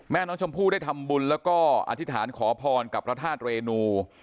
แม่น้องชมพู่ได้ทำบุญแล้วก็อธิษฐานขอพรกับพระธาตุเรนู